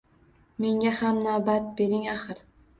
Menga ham navbat bering axir!